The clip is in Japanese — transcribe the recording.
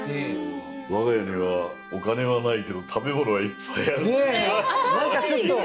我が家にはお金はないけど食べ物はいっぱいあるって。